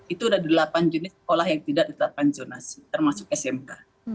itu ada delapan jenis sekolah yang tidak ditetapkan zonasi termasuk smk